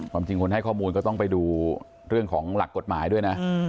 จริงคนให้ข้อมูลก็ต้องไปดูเรื่องของหลักกฎหมายด้วยนะ